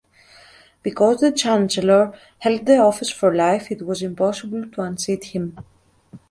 Because the chancellor held the office for life, it was impossible to unseat him.